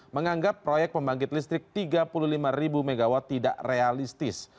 menganggap proyek pembangkit listrik tiga puluh lima mw tidak realistis